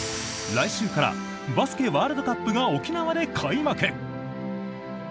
来週からバスケワールドカップが沖縄で開幕！